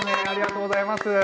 ありがとうございます。